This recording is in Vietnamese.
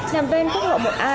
nằm bên quốc hộ một a